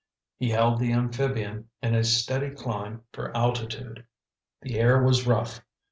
He held the amphibian in a steady climb for altitude. The air was rough.